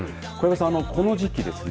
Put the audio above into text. この時期ですね